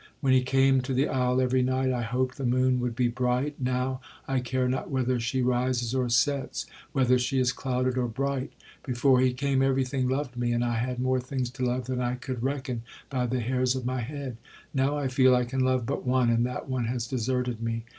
When he came to the isle every night, I hoped the moon would be bright—now I care not whether she rises or sets, whether she is clouded or bright. Before he came, every thing loved me, and I had more things to love than I could reckon by the hairs of my head—now I feel I can love but one, and that one has deserted me.